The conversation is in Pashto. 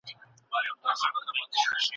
د افغانستان نوم باید تل په درناوي یاد شي.